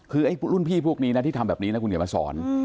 คือไอ้รุ่นพี่พวกนี้นะที่ทำแบบนี้นะคุณเขียนมาสอน